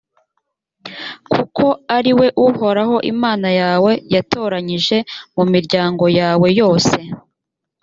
kuko ari we uhoraho imana yawe yatoranyije mu miryango yawe yose,